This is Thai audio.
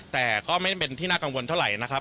แต่ก็ไม่ได้เป็นที่น่ากังวลเท่าไหร่นะครับ